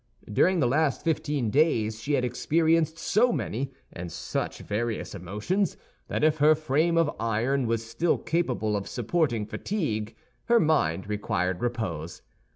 During the last fifteen days she had experienced so many and such various emotions that if her frame of iron was still capable of supporting fatigue, her mind required repose.